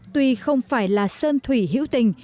tuy không phải là sơn thủy hữu tình